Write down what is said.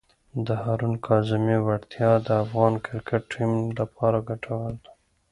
د هارون کاظمي وړتیا د افغان کرکټ ټیم لپاره ګټوره ده.